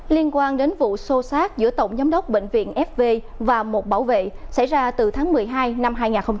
liên quan đến vụ sô sát giữa tổng giám đốc bệnh viện fb và một bảo vệ xảy ra từ tháng một mươi hai năm hai nghìn hai mươi hai